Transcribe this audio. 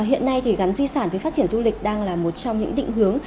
hiện nay thì gắn di sản với phát triển du lịch đang là một trong những định hướng